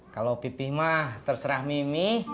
kalau pipih mah terserah mimi